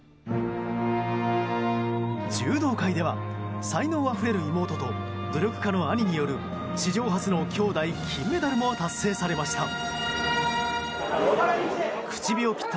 柔道界では才能あふれる妹と努力家の兄による史上初の兄妹金メダルも達成されました。